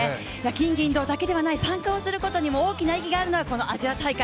金銀銅だけではない、参加をすることにも大きな意義のあるこのアジア大会。